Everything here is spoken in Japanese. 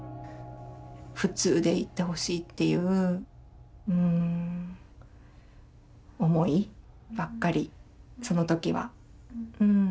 普通でいってほしいっていう思いばっかりその時は。